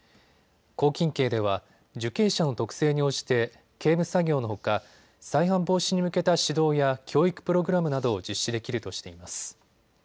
拘禁刑では受刑者の特性に応じて刑務作業のほか再犯防止に向けた指導や教育プログラムなどを実施できるとしています。